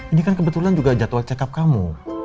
ini kan kebetulan juga jadwal cekap kamu